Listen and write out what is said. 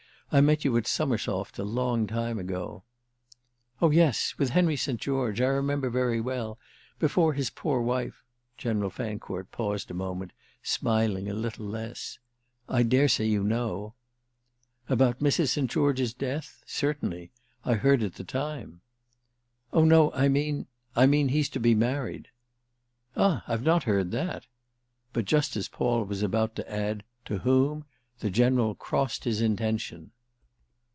"I met you at Summersoft a long time ago." "Oh yes—with Henry St. George. I remember very well. Before his poor wife—" General Fancourt paused a moment, smiling a little less. "I dare say you know." "About Mrs. St. George's death? Certainly—I heard at the time." "Oh no, I mean—I mean he's to be married." "Ah I've not heard that!" But just as Paul was about to add "To whom?" the General crossed his intention.